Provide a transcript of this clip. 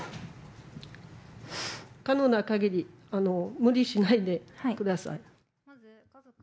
可能なかぎり、無理しないでください。